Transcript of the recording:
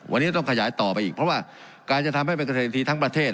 วันนี้ต้องขยายต่อไปอีกเพราะว่าการจะทำให้เป็นเกษตรทีทั้งประเทศ